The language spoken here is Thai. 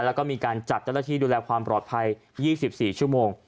แล้วก็มีการจัดเจ้าหน้าที่ดูแลความปลอดภัย๒๔ชั่วโมง